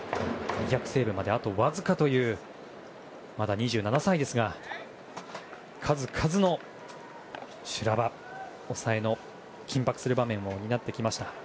２００セーブまであとわずかというまだ２７歳ですが数々の修羅場抑えの緊迫する場面を担ってきました。